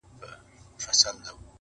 د انسان پیوند له «اړتیا» څخه رازیږي